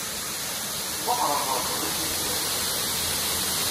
Ṣṣbuḥ ɣef Rebbi, mačči fell-ak!